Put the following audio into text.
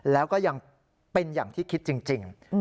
แล้วก็ยังเป็นอย่างที่คิดจริง